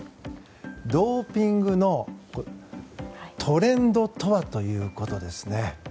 ドーピングのトレンドとは？ということでね。